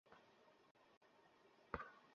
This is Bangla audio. সে আমরা ছেলেদের মতো ছিল।